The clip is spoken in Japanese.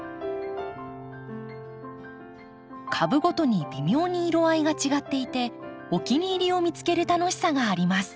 株ごとに微妙に色合いが違っていてお気に入りを見つける楽しさがあります。